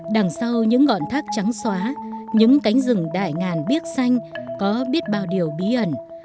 đằng sau những ngọn thác trắng xóa những cánh rừng đại ngàn biếc xanh có biết bao điều bí ẩn